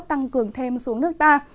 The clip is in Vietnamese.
tăng cường thêm xuống nước ta